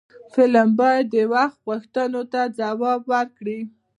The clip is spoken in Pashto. فلم باید د وخت غوښتنو ته ځواب ورکړي